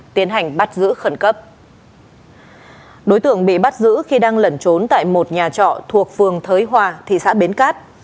trường bị bắt giữ khi đang lẩn trốn tại một nhà trọ thuộc phường thới hoa thị xã bến cát